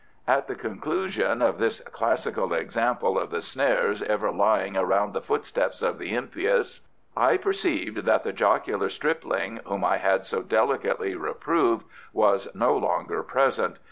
At the conclusion of this classical example of the snares ever lying around the footsteps of the impious, I perceived that the jocular stripling, whom I had so delicately reproved, was no longer present.